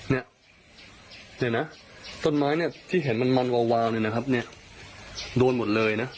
เนี่ยนะต้นไม้เนี่ยที่เห็นมันมันวาวเนี่ยนะครับเนี่ยโดนหมดเลยนะ